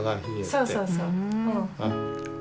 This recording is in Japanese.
そうそうそう。